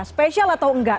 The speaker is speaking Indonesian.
spesial atau enggak